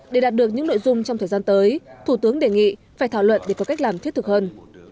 để đạt được những nội dung trong thời gian tới thủ tướng đề nghị phải thảo luận để có cách làm thiết thực hơn